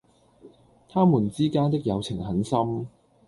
他們之間的友情很深。